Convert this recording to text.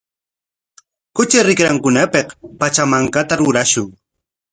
Kuchi rikrankunapik pachamankata rurashun.